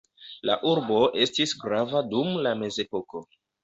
La urbo estis grava dum la Mezepoko.